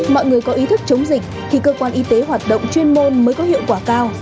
mọi người có ý thức chống dịch thì cơ quan y tế hoạt động chuyên môn mới có hiệu quả cao